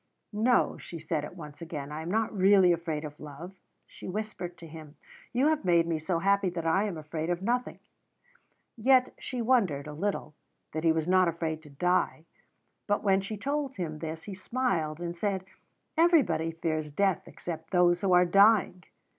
"No," she said at once again. "I am not really afraid of love," she whispered to him. "You have made me so happy that I am afraid of nothing." Yet she wondered a little that he was not afraid to die, but when she told him this he smiled and said: "Everybody fears death except those who are dying."